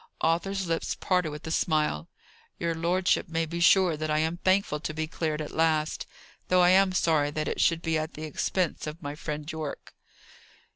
Arthur's lips parted with a smile. "Your lordship may be sure that I am thankful to be cleared at last. Though I am sorry that it should be at the expense of my friend Yorke."